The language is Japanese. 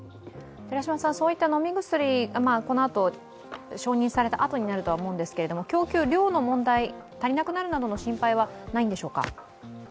そういった飲み薬、承認されたあとになるとは思うんですが、供給量の問題、足りなくなるなどの心配はないのでしょうか？